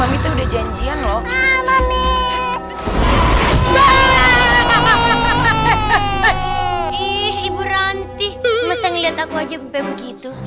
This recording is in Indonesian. masa ngeliat aku aja mumpik begitu